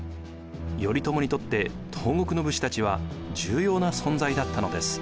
頼朝にとって東国の武士たちは重要な存在だったのです。